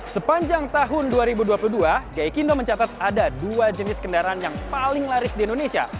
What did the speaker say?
sepanjang tahun dua ribu dua puluh dua gaikindo mencatat ada dua jenis kendaraan yang paling laris di indonesia